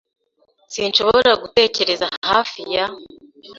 Sinshobora gutegereza hafi ya